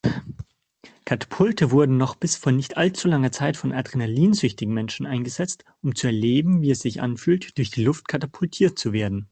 Katapulte wurden noch bis vor nicht all zu langer Zeit von adrenalinsüchtigen Menschen eingesetzt, um zu erleben, wie es sich anfühlt, durch die Luft katapultiert zu werden.